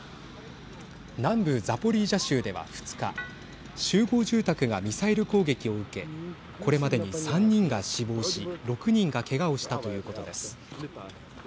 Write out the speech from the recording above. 南部ザポリージャ州では２日集合住宅がミサイル攻撃を受けこれまでに３人が死亡し６人がけがをしたということです。